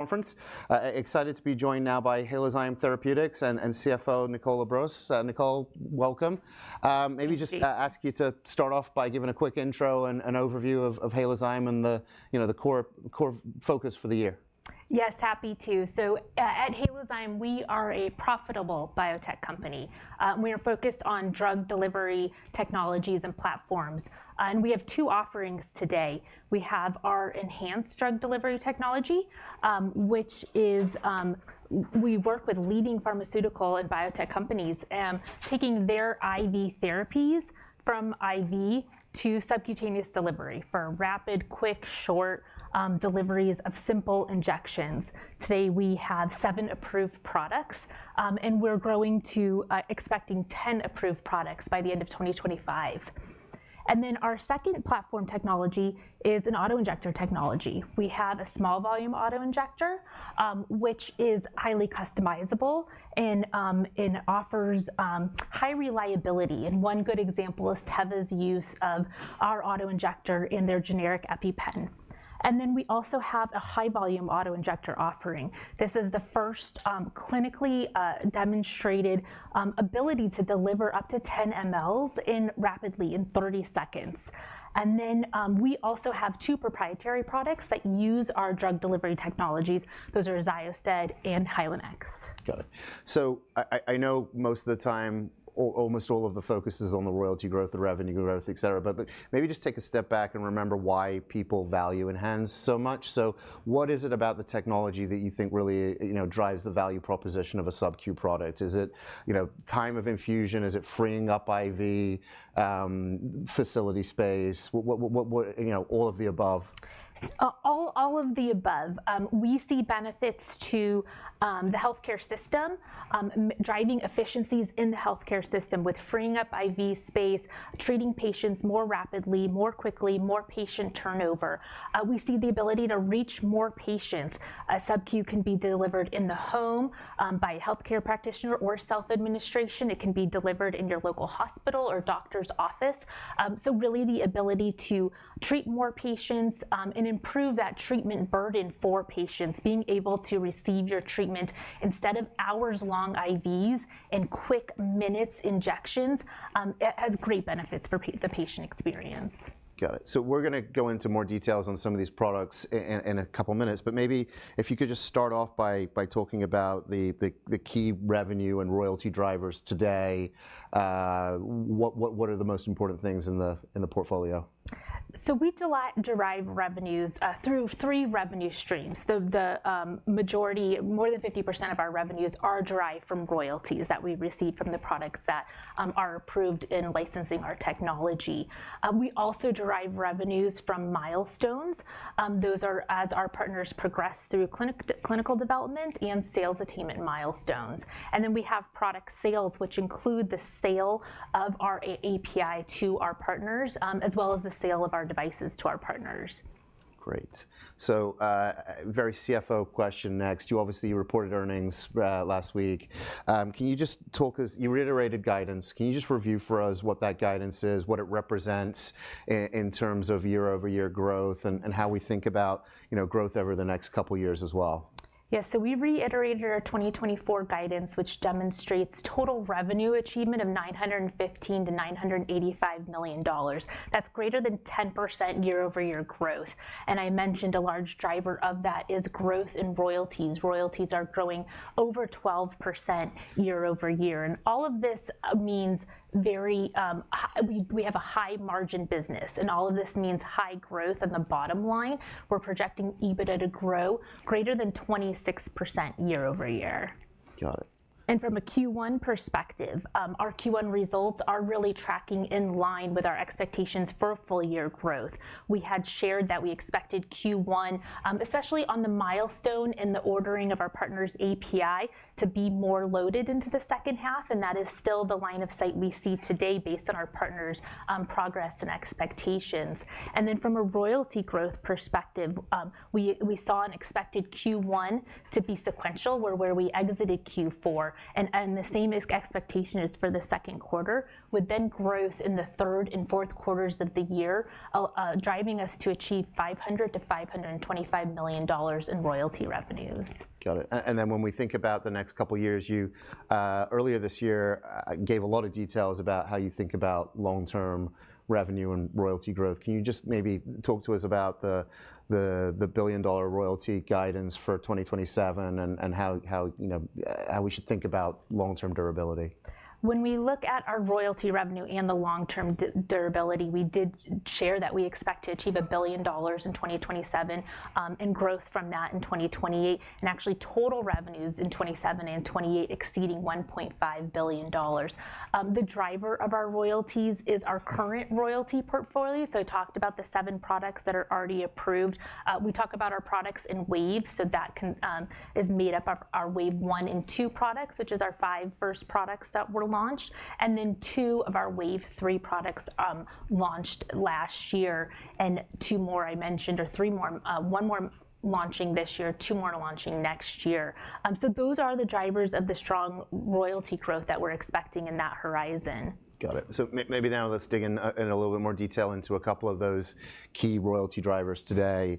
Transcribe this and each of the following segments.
Conference. Excited to be joined now by Halozyme Therapeutics and CFO Nicole LaBrosse. Nicole, welcome. Maybe just ask you to start off by giving a quick intro and overview of Halozyme and the core focus for the year. Yes, happy to. So at Halozyme, we are a profitable biotech company. We are focused on drug delivery technologies and platforms. We have two offerings today. We have our ENH drug delivery technology, which is we work with leading pharmaceutical and biotech companies, taking their IV therapies from IV to subcutaneous delivery for rapid, quick, short deliveries of simple injections. Today we have 7 approved products, and we're growing to expecting 10 approved products by the end of 2025. Our second platform technology is an autoinjector technology. We have a small volume autoinjector, which is highly customizable and offers high reliability. One good example is Teva's use of our autoinjector in their generic EpiPen. We also have a high volume autoinjector offering. This is the first clinically demonstrated ability to deliver up to 10 mL rapidly in 30 seconds. And then we also have two proprietary products that use our drug delivery technologies. Those are XYOSTED and Hylenex. Got it. So I know most of the time, almost all of the focus is on the royalty growth, the revenue growth, et cetera. But maybe just take a step back and remember why people value ENHANZE so much. So what is it about the technology that you think really drives the value proposition of a sub-Q product? Is it time of infusion? Is it freeing up IV facility space? All of the above. All of the above. We see benefits to the health care system, driving efficiencies in the health care system with freeing up IV space, treating patients more rapidly, more quickly, more patient turnover. We see the ability to reach more patients. A sub-Q can be delivered in the home by a health care practitioner or self-administration. It can be delivered in your local hospital or doctor's office. So really the ability to treat more patients and improve that treatment burden for patients, being able to receive your treatment instead of hours-long IVs and quick minutes injections, has great benefits for the patient experience. Got it. So we're going to go into more details on some of these products in a couple of minutes. But maybe if you could just start off by talking about the key revenue and royalty drivers today. What are the most important things in the portfolio? So we derive revenues through three revenue streams. The majority, more than 50% of our revenues are derived from royalties that we receive from the products that are approved in licensing our technology. We also derive revenues from milestones. Those are as our partners progress through clinical development and sales attainment milestones. And then we have product sales, which include the sale of our API to our partners, as well as the sale of our devices to our partners. Great. So very CFO question next. You obviously reported earnings last week. Can you just talk to us? You reiterated guidance. Can you just review for us what that guidance is, what it represents in terms of year-over-year growth, and how we think about growth over the next couple of years as well? Yes. So we reiterated our 2024 guidance, which demonstrates total revenue achievement of $915 million-$985 million. That's greater than 10% year-over-year growth. And I mentioned a large driver of that is growth in royalties. Royalties are growing over 12% year-over-year. And all of this means we have a very high margin business. And all of this means high growth on the bottom line. We're projecting EBITDA to grow greater than 26% year-over-year. Got it. From a Q1 perspective, our Q1 results are really tracking in line with our expectations for full-year growth. We had shared that we expected Q1, especially on the milestone in the ordering of our partner's API, to be more loaded into the second half. That is still the line of sight we see today based on our partner's progress and expectations. Then from a royalty growth perspective, we saw an expected Q1 to be sequential, where we exited Q4. The same expectation is for the second quarter, with then growth in the third and fourth quarters of the year driving us to achieve $500 million-$525 million in royalty revenues. Got it. And then when we think about the next couple of years, you earlier this year gave a lot of details about how you think about long-term revenue and royalty growth. Can you just maybe talk to us about the billion-dollar royalty guidance for 2027 and how we should think about long-term durability? When we look at our royalty revenue and the long-term durability, we did share that we expect to achieve $1 billion in 2027 and growth from that in 2028, and actually total revenues in 2027 and 2028 exceeding $1.5 billion. The driver of our royalties is our current royalty portfolio. So I talked about the seven products that are already approved. We talk about our products in waves. So that is made up of our wave one and two products, which is our five first products that were launched, and then two of our wave three products launched last year. And two more I mentioned, or three more one more launching this year, two more launching next year. So those are the drivers of the strong royalty growth that we're expecting in that horizon. Got it. So maybe now let's dig in a little bit more detail into a couple of those key royalty drivers today.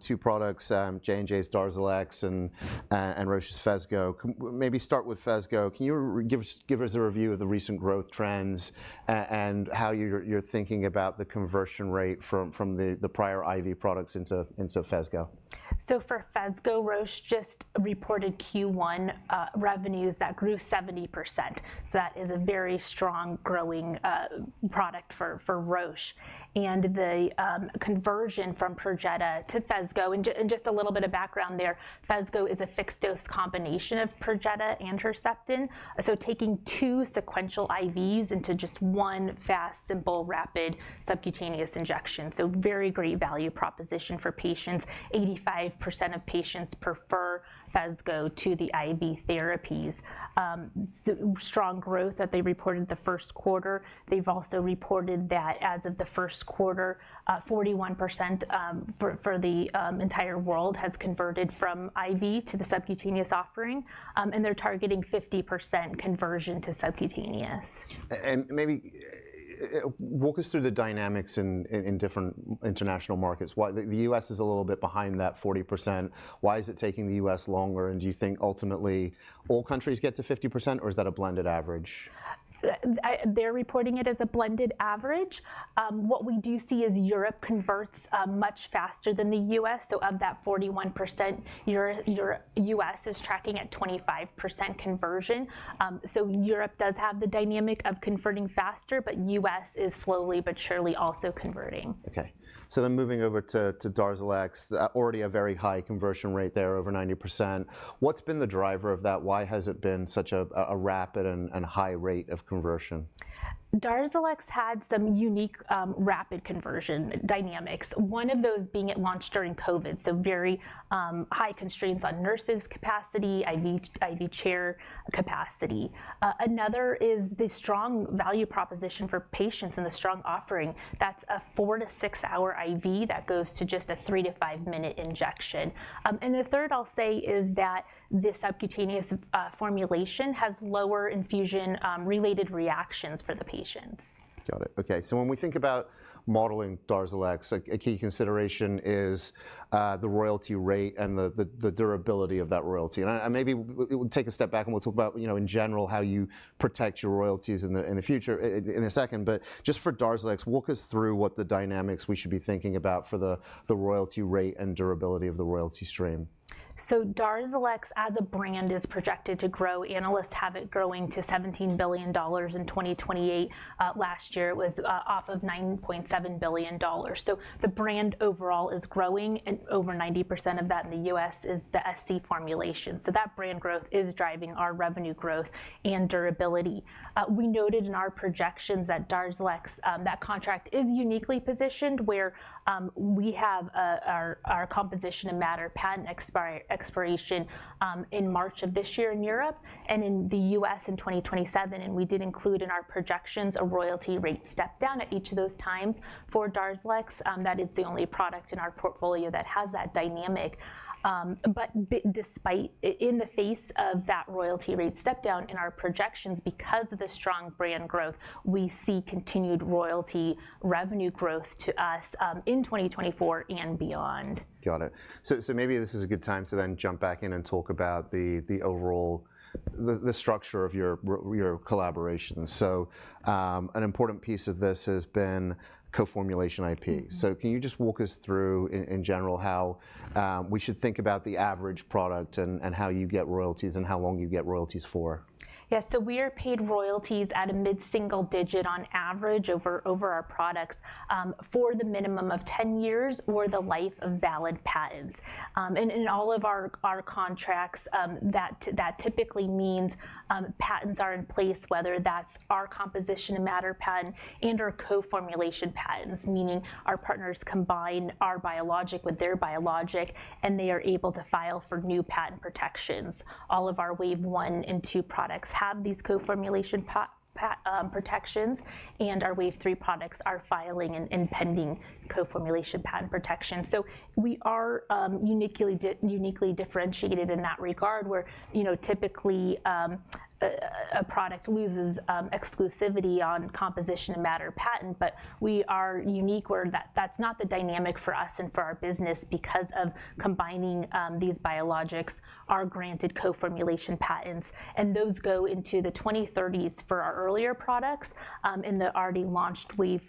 Two products, J&J's DARZALEX and Roche's Phesgo. Maybe start with Phesgo. Can you give us a review of the recent growth trends and how you're thinking about the conversion rate from the prior IV products into Phesgo? So for Phesgo, Roche just reported Q1 revenues that grew 70%. So that is a very strong growing product for Roche. And the conversion from PERJETA to Phesgo and just a little bit of background there. Phesgo is a fixed-dose combination of PERJETA and HERCEPTIN. So taking two sequential IVs into just one fast, simple, rapid subcutaneous injection. So very great value proposition for patients. 85% of patients prefer Phesgo to the IV therapies. Strong growth that they reported the first quarter. They've also reported that as of the first quarter, 41% for the entire world has converted from IV to the subcutaneous offering. And they're targeting 50% conversion to subcutaneous. Maybe walk us through the dynamics in different international markets. The U.S. is a little bit behind that 40%. Why is it taking the U.S. longer? And do you think ultimately all countries get to 50%, or is that a blended average? They're reporting it as a blended average. What we do see is Europe converts much faster than the U.S. So of that 41%, U.S. is tracking at 25% conversion. So Europe does have the dynamic of converting faster, but U.S. is slowly but surely also converting. OK. So then moving over to DARZALEX, already a very high conversion rate there, over 90%. What's been the driver of that? Why has it been such a rapid and high rate of conversion? DARZALEX had some unique rapid conversion dynamics, one of those being it launched during COVID. So very high constraints on nurses' capacity, IV chair capacity. Another is the strong value proposition for patients and the strong offering. That's a 4-6-hour IV that goes to just a 3-5-minute injection. And the third I'll say is that the subcutaneous formulation has lower infusion-related reactions for the patients. Got it. OK. When we think about modeling DARZALEX, a key consideration is the royalty rate and the durability of that royalty. Maybe we'll take a step back and we'll talk about, in general, how you protect your royalties in the future in a second. Just for DARZALEX, walk us through what the dynamics we should be thinking about for the royalty rate and durability of the royalty stream. So DARZALEX, as a brand, is projected to grow. Analysts have it growing to $17 billion in 2028. Last year it was off of $9.7 billion. So the brand overall is growing. And over 90% of that in the U.S. is the SC formulation. So that brand growth is driving our revenue growth and durability. We noted in our projections that DARZALEX, that contract is uniquely positioned, where we have our composition of matter patent expiration in March of this year in Europe and in the U.S. in 2027. And we did include in our projections a royalty rate step down at each of those times. For DARZALEX, that is the only product in our portfolio that has that dynamic. But despite in the face of that royalty rate step down in our projections, because of the strong brand growth, we see continued royalty revenue growth to us in 2024 and beyond. Got it. Maybe this is a good time to then jump back in and talk about the overall structure of your collaboration. An important piece of this has been co-formulation IP. Can you just walk us through, in general, how we should think about the average product and how you get royalties and how long you get royalties for? Yes. So we are paid royalties at a mid-single digit on average over our products for the minimum of 10 years or the life of valid patents. In all of our contracts, that typically means patents are in place, whether that's our Composition of Matter patent and/or co-formulation patents, meaning our partners combine our biologic with their biologic, and they are able to file for new patent protections. All of our wave 1 and 2 products have these co-formulation protections. Our wave 3 products are filing and pending co-formulation patent protections. So we are uniquely differentiated in that regard, where typically a product loses exclusivity on Composition of Matter patent. But we are unique, where that's not the dynamic for us and for our business because of combining these biologics, our granted co-formulation patents. Those go into the 2030s for our earlier products. The already launched wave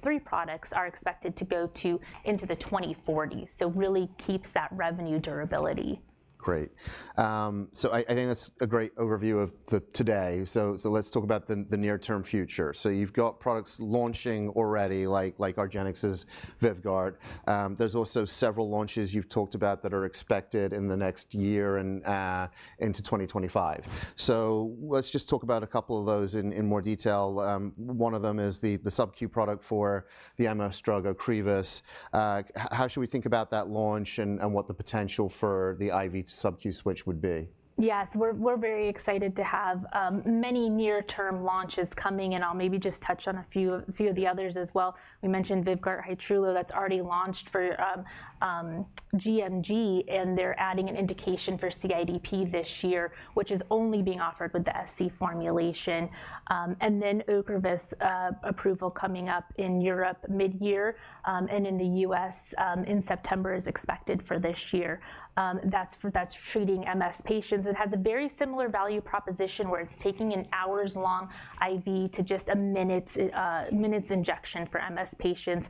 three products are expected to go into the 2040s. So really keeps that revenue durability. Great. So I think that's a great overview of today. So let's talk about the near-term future. So you've got products launching already, like argenx's VYVGART. There's also several launches you've talked about that are expected in the next year and into 2025. So let's just talk about a couple of those in more detail. One of them is the sub-Q product for OCREVUS. How should we think about that launch and what the potential for the IV to sub-Q switch would be? Yes. We're very excited to have many near-term launches coming. I'll maybe just touch on a few of the others as well. We mentioned VYVGART Hytrulo. That's already launched for gMG. They're adding an indication for CIDP this year, which is only being offered with the SC formulation. Then OCREVUS approval coming up in Europe mid-year. In the US, in September, is expected for this year. That's treating MS patients. It has a very similar value proposition, where it's taking an hours-long IV to just a minutes injection for MS patients.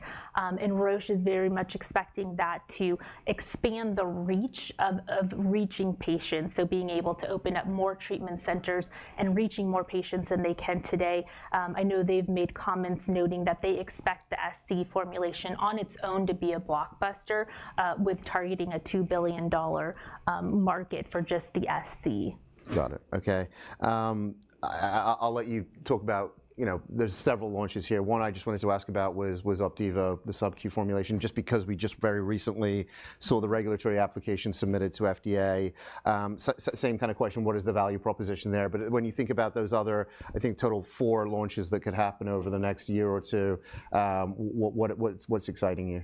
Roche is very much expecting that to expand the reach of reaching patients, so being able to open up more treatment centers and reaching more patients than they can today. I know they've made comments noting that they expect the SC formulation on its own to be a blockbuster, with targeting a $2 billion market for just the SC. Got it. OK. I'll let you talk about. There's several launches here. One I just wanted to ask about was OPDIVO, the sub-Q formulation, just because we just very recently saw the regulatory application submitted to FDA. Same kind of question. What is the value proposition there? But when you think about those other, I think, total four launches that could happen over the next year or two, what's exciting you?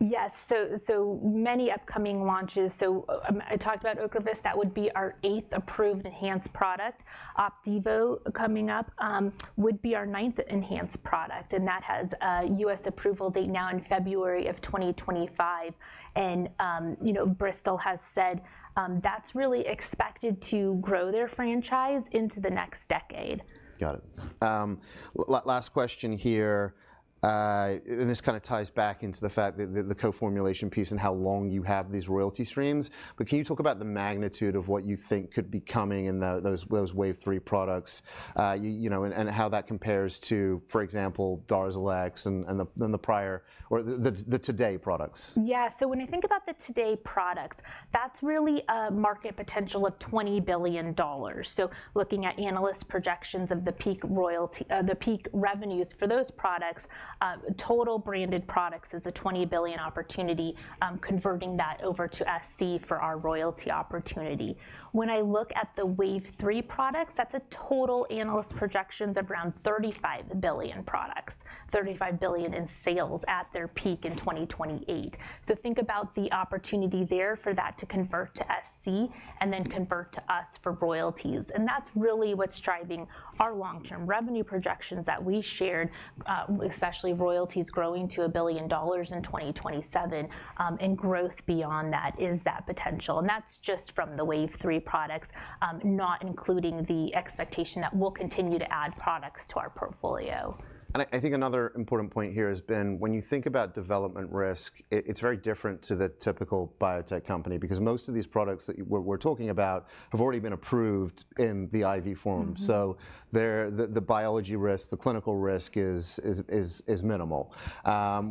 Yes. So many upcoming launches. So I talked about OCREVUS. That would be our eighth approved ENHANZE product. OPDIVO coming up would be our ninth ENHANZE product. And that has a U.S. approval date now in February of 2025. And Bristol has said that's really expected to grow their franchise into the next decade. Got it. Last question here. This kind of ties back into the fact that the co-formulation piece and how long you have these royalty streams. But can you talk about the magnitude of what you think could be coming in those wave three products and how that compares to, for example, DARZALEX and the prior or the today products? Yes. So when I think about the today products, that's really a market potential of $20 billion. So looking at analyst projections of the peak revenues for those products, total branded products is a $20 billion opportunity, converting that over to SC for our royalty opportunity. When I look at the wave three products, that's a total analyst projections around $35 billion products, $35 billion in sales at their peak in 2028. So think about the opportunity there for that to convert to SC and then convert to us for royalties. And that's really what's driving our long-term revenue projections that we shared, especially royalties growing to $1 billion in 2027. And growth beyond that is that potential. And that's just from the wave three products, not including the expectation that we'll continue to add products to our portfolio. I think another important point here has been when you think about development risk, it's very different to the typical biotech company. Because most of these products that we're talking about have already been approved in the IV form. So the biology risk, the clinical risk is minimal.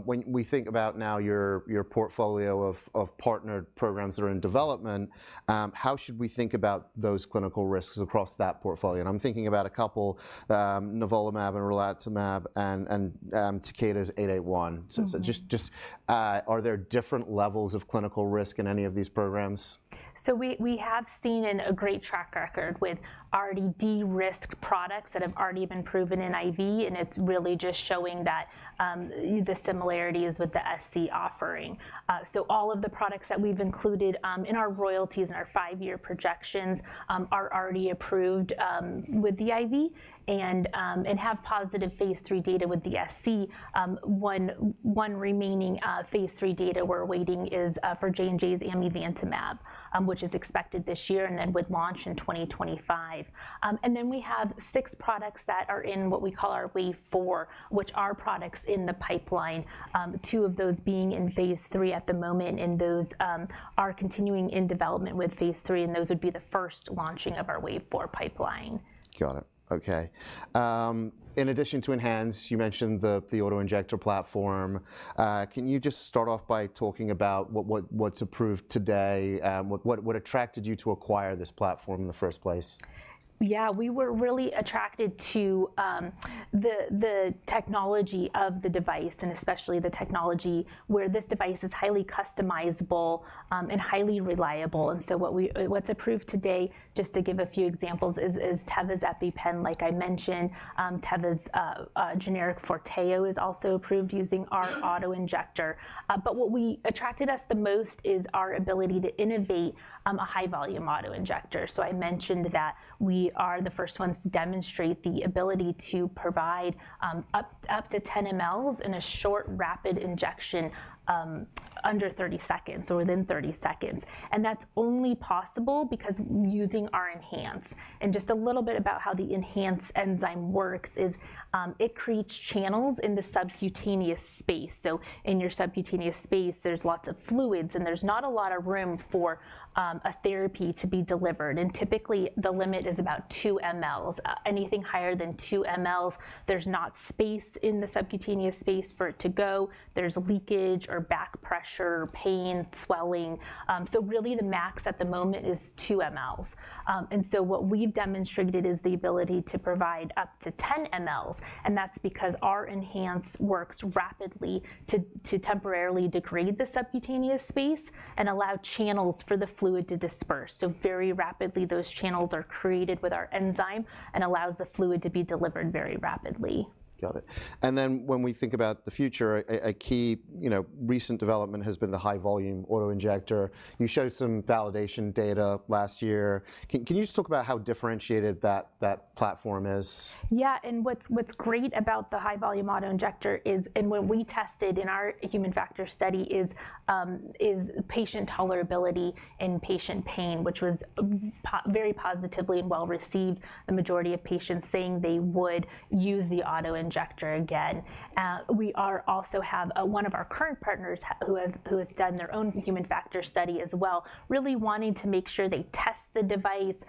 When we think about now your portfolio of partnered programs that are in development, how should we think about those clinical risks across that portfolio? I'm thinking about a couple, nivolumab and relatlimab and Takeda's TAK-881. So just are there different levels of clinical risk in any of these programs? We have seen a great track record with already de-risked products that have already been proven in IV. It's really just showing that the similarity is with the SC offering. All of the products that we've included in our royalties and our 5-year projections are already approved with the IV and have positive phase 3 data with the SC. 1 remaining phase 3 data we're awaiting is for J&J's amivantamab, which is expected this year and then would launch in 2025. Then we have 6 products that are in what we call our wave four, which are products in the pipeline, 2 of those being in phase 3 at the moment. Those are continuing in development with phase 3. Those would be the first launching of our wave four pipeline. Got it. OK. In addition to ENHANZE, you mentioned the autoinjector platform. Can you just start off by talking about what's approved today? What attracted you to acquire this platform in the first place? Yeah. We were really attracted to the technology of the device and especially the technology where this device is highly customizable and highly reliable. And so what's approved today, just to give a few examples, is Teva's EpiPen. Like I mentioned, Teva's generic Forteo is also approved using our autoinjector. But what attracted us the most is our ability to innovate a high-volume autoinjector. So I mentioned that we are the first ones to demonstrate the ability to provide up to 10 mL in a short rapid injection under 30 seconds or within 30 seconds. And that's only possible because using our ENHANZE. And just a little bit about how the ENHANZE enzyme works is it creates channels in the subcutaneous space. So in your subcutaneous space, there's lots of fluids. And there's not a lot of room for a therapy to be delivered. Typically the limit is about 2 mL. Anything higher than 2 mL, there's not space in the subcutaneous space for it to go. There's leakage or back pressure or pain, swelling. So really the max at the moment is 2 mL. So what we've demonstrated is the ability to provide up to 10 mL. That's because our ENHANZE works rapidly to temporarily degrade the subcutaneous space and allow channels for the fluid to disperse. So very rapidly those channels are created with our enzyme and allows the fluid to be delivered very rapidly. Got it. And then when we think about the future, a key recent development has been the high-volume autoinjector. You showed some validation data last year. Can you just talk about how differentiated that platform is? Yeah. And what's great about the high-volume autoinjector is and what we tested in our human factor study is patient tolerability and patient pain, which was very positively and well received, the majority of patients saying they would use the autoinjector again. We also have one of our current partners who has done their own human factor study as well, really wanting to make sure they test the device,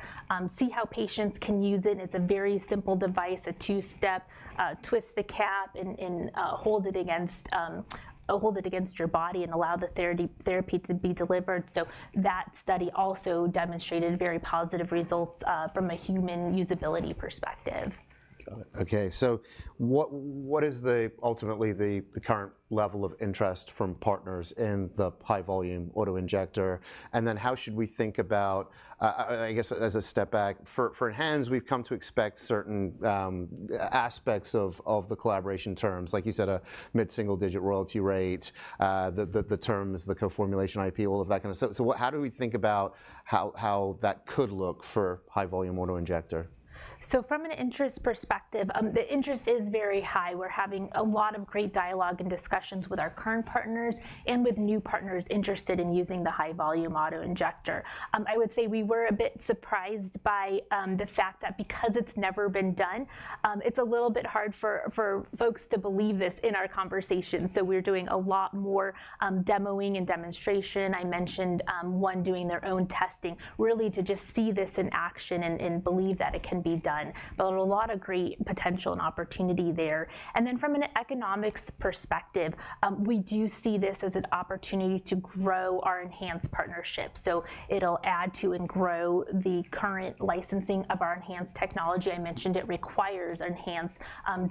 see how patients can use it. It's a very simple device, a two-step. Twist the cap and hold it against your body and allow the therapy to be delivered. So that study also demonstrated very positive results from a human usability perspective. Got it. OK. So what is ultimately the current level of interest from partners in the high-volume autoinjector? And then how should we think about, I guess, as a step back, for ENHANZE, we've come to expect certain aspects of the collaboration terms, like you said, a mid-single digit royalty rate, the terms, the co-formulation IP, all of that kind of stuff. So how do we think about how that could look for high-volume autoinjector? So from an interest perspective, the interest is very high. We're having a lot of great dialogue and discussions with our current partners and with new partners interested in using the high-volume autoinjector. I would say we were a bit surprised by the fact that because it's never been done, it's a little bit hard for folks to believe this in our conversations. So we're doing a lot more demoing and demonstration. I mentioned one doing their own testing, really to just see this in action and believe that it can be done. But a lot of great potential and opportunity there. And then from an economics perspective, we do see this as an opportunity to grow our ENHANZE partnership. So it'll add to and grow the current licensing of our ENHANZE technology. I mentioned it requires ENHANZE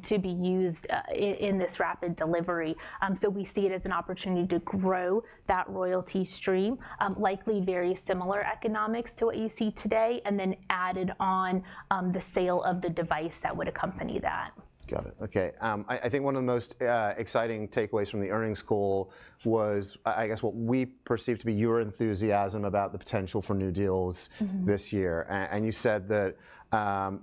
to be used in this rapid delivery. So we see it as an opportunity to grow that royalty stream, likely very similar economics to what you see today, and then added on the sale of the device that would accompany that. Got it. OK. I think one of the most exciting takeaways from the earnings call was, I guess, what we perceive to be your enthusiasm about the potential for new deals this year. And you said that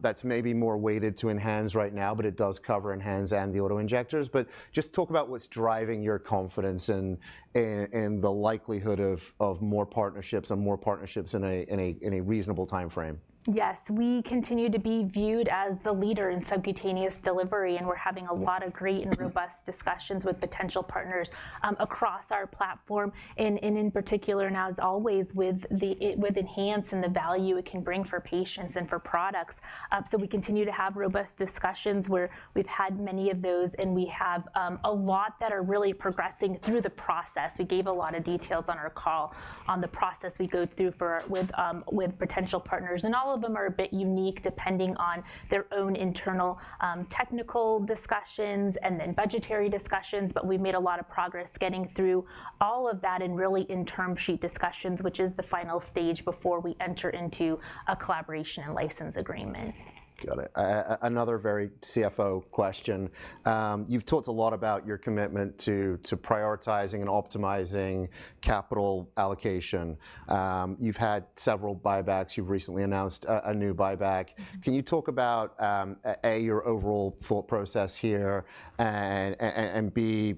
that's maybe more weighted to ENHANZE right now. But it does cover ENHANZE and the autoinjectors. But just talk about what's driving your confidence in the likelihood of more partnerships and more partnerships in a reasonable time frame. Yes. We continue to be viewed as the leader in subcutaneous delivery. And we're having a lot of great and robust discussions with potential partners across our platform. And in particular, now as always, with ENHANZE and the value it can bring for patients and for products. So we continue to have robust discussions where we've had many of those. And we have a lot that are really progressing through the process. We gave a lot of details on our call on the process we go through with potential partners. And all of them are a bit unique depending on their own internal technical discussions and then budgetary discussions. But we've made a lot of progress getting through all of that and really in term sheet discussions, which is the final stage before we enter into a collaboration and license agreement. Got it. Another very CFO question. You've talked a lot about your commitment to prioritizing and optimizing capital allocation. You've had several buybacks. You've recently announced a new buyback. Can you talk about, A, your overall thought process here and, B,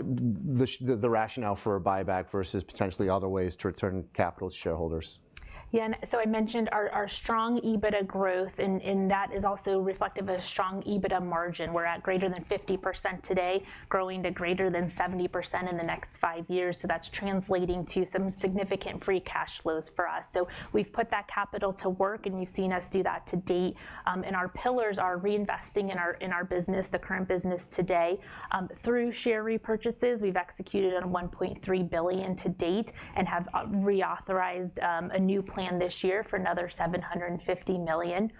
the rationale for a buyback versus potentially other ways to return capital to shareholders? Yeah. And so I mentioned our strong EBITDA growth. And that is also reflective of a strong EBITDA margin. We're at greater than 50% today, growing to greater than 70% in the next five years. So that's translating to some significant free cash flows for us. So we've put that capital to work. And you've seen us do that to date. And our pillars are reinvesting in our business, the current business today, through share repurchases. We've executed on $1.3 billion to date and have reauthorized a new plan this year for another $750 million.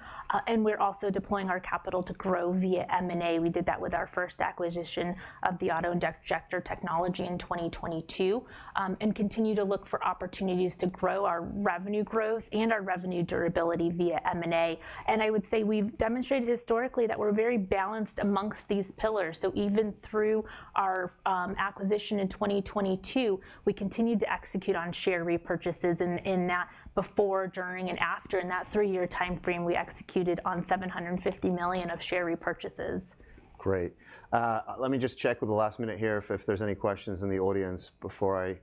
And we're also deploying our capital to grow via M&A. We did that with our first acquisition of the autoinjector technology in 2022 and continue to look for opportunities to grow our revenue growth and our revenue durability via M&A. And I would say we've demonstrated historically that we're very balanced amongst these pillars. Even through our acquisition in 2022, we continue to execute on share repurchases in that before, during, and after. In that three-year time frame, we executed on $750 million of share repurchases. Great. Let me just check with the last minute here if there's any questions in the audience before I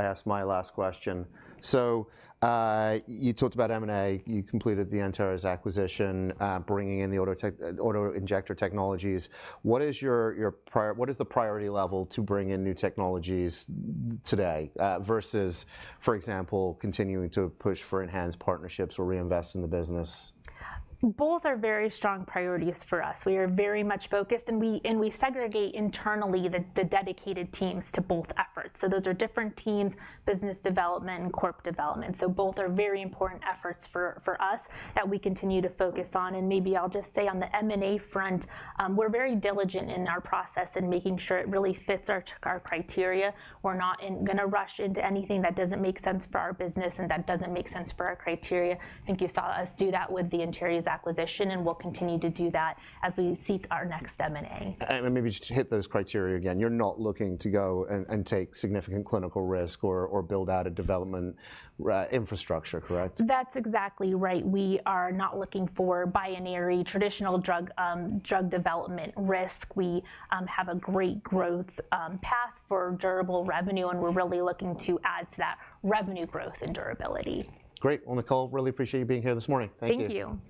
ask my last question. So you talked about M&A. You completed the Antares' acquisition, bringing in the autoinjector technologies. What is the priority level to bring in new technologies today versus, for example, continuing to push for ENHANZE partnerships or reinvest in the business? Both are very strong priorities for us. We are very much focused. We segregate internally the dedicated teams to both efforts. So those are different teams: business development and corporate development. So both are very important efforts for us that we continue to focus on. And maybe I'll just say on the M&A front, we're very diligent in our process in making sure it really fits our criteria. We're not going to rush into anything that doesn't make sense for our business and that doesn't make sense for our criteria. I think you saw us do that with the Antares acquisition. And we'll continue to do that as we seek our next M&A. Maybe just to hit those criteria again, you're not looking to go and take significant clinical risk or build out a development infrastructure, correct? That's exactly right. We are not looking for binary, traditional drug development risk. We have a great growth path for durable revenue. We're really looking to add to that revenue growth and durability. Great. Well, Nicole, really appreciate you being here this morning. Thank you. Thank you.